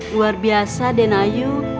luar biasa den ayu